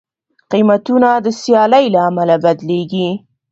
قیمتونه د سیالۍ له امله بدلېږي.